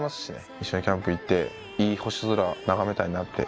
一緒にキャンプ行っていい星空眺めたいなって。